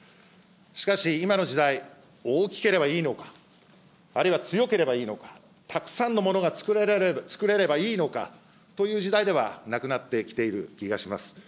しかし今の時代、大きければいいのか、あるいは強ければいいのか、たくさんのものが作れればいいのかという時代ではなくなってきている気がします。